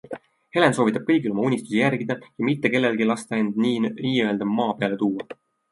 Helen soovitab kõigil oma unistusi järgida ja mitte kellelgi lasta end nii-öelda maa peale tuua.